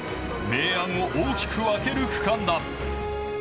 明暗を大きく分ける区間だ。